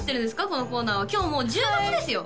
このコーナーは今日もう１０月ですよ？